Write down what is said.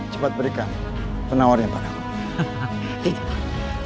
cepat berikan penawarnya padaku